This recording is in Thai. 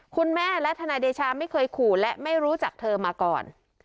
คุณแม่และทนายเดชาไม่เคยขู่และไม่รู้จักเธอมาก่อน